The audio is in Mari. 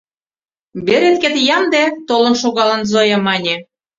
— Береткет ямде, — толын шогалын, Зоя мане.